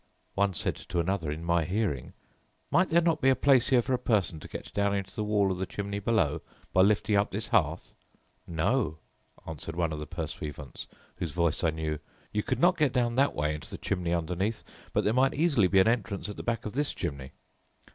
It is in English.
One said to another in my hearing, 'Might there not be a place here for a person to get down into the wall of the chimney below by lifting up this hearth?' 'No,' answered one of the pursuivants, whose voice I knew, 'you could not get down that way into the chimney underneath, but there might easily be an entrance at the back of this chimney.'